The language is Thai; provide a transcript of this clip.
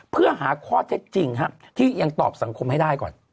เพื่อหาข้อเท็จจริงที่ยังตอบสังคมให้ได้ก่อน